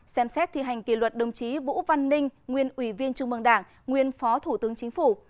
ba xem xét thi hành kỷ luật đồng chí vũ văn ninh nguyên ủy viên trung mương đảng nguyên phó thủ tướng chính phủ